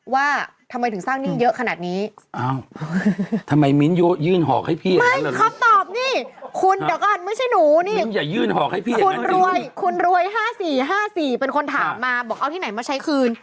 ว่าทำไมถึงสร้างหนี้เยอะขนาดนี้